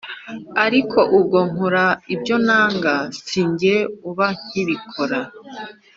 Ariko ubwo nkora ibyo nanga si jye uba nkibikora